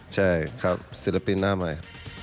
ใช่ครับศิลปินหน้าใหม่